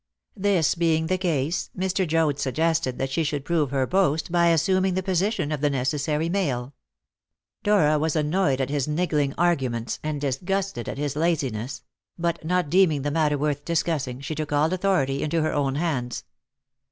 This being the case, Mr. Joad suggested that she should prove her boast by assuming the position of the necessary male. Dora was annoyed at his niggling arguments, and disgusted at his laziness; but, not deeming the matter worth discussing, she took all authority into her own hands.